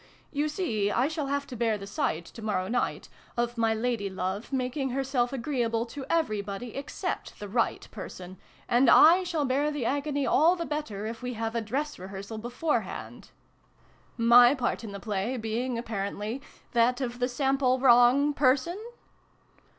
" You see I shall have to bear the sight, to morrow night, of my lady love making herself agreable I IH SYLVIE AND BRUNO CONCLUDED. to everybody except the right person, and I shall bear the agony all the better if we have a dress rehearsal beforehand !"" My part in the play being, apparently, that of the sample wrong person